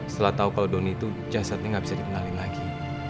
setelah tahu kalau doni itu jasadnya nggak bisa dikenalin lagi